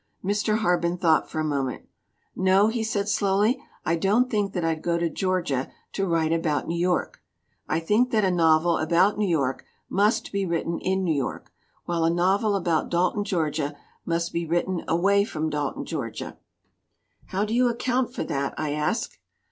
Mr. Harben thought for a moment. "No," he said, slowly, "I don't think that I'd go to Georgia to write about New York. I think that a novel about New York must be written in New York while a novel about Dalton, Georgia, must be written away from Dalton, Georgia." 192 THE NOVEL MUST GO "How do you account for that?" I asked.